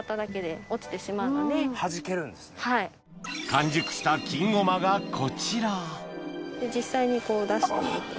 完熟した金ごまがこちら実際に出してみて。